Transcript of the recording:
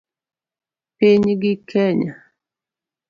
Pinygi Kenya